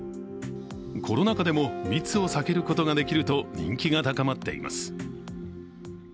コロナ禍でも密を避けることができると人気が高まっています。